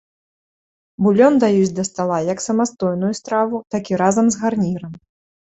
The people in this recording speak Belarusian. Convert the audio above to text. Булён даюць да стала як самастойную страву, так і разам з гарнірам.